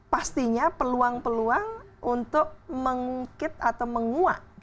pastinya peluang peluang untuk mengungkit atau menguak